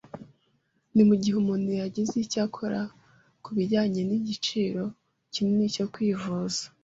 Ni mugihe umuntu yagize icyo akora kubijyanye nigiciro kinini cyo kwivuza.